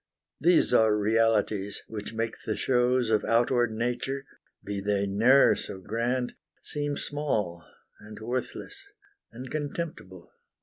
These are realities, which make the shows Of outward Nature, be they ne'er so grand, Seem small, and worthless, and contemptible.